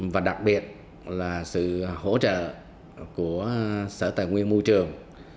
và đặc biệt là sự hỗ trợ của sở tài nguyên môi trường